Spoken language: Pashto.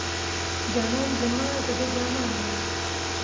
جانان زما، زه د جانان يم